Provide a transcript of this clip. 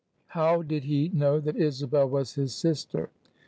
How did he know that Isabel was his sister?